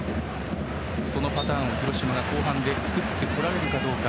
そのパターンを広島が後半で作っていけるかどうか。